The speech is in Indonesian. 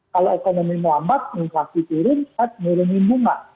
kalau ekonomi muamad inflasi turun saat menurunkan bunga